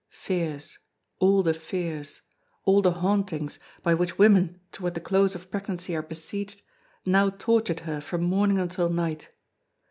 Fears, all the fears, all the hauntings, by which women toward the close of pregnancy are besieged, now tortured her from morning until night.